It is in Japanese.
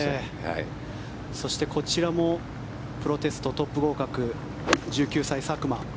そしてこちらもプロテストトップ合格１９歳、佐久間。